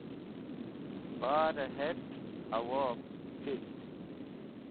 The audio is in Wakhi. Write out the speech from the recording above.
Barẽ het howob c̃hit.